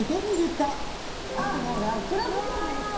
ああもうラックラクじゃないですか。